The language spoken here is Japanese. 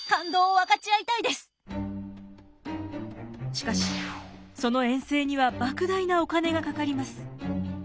しかしその遠征にはばく大なお金がかかります。